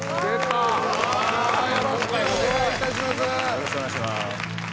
よろしくお願いします。